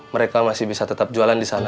mereka masih bisa tetap jualan disana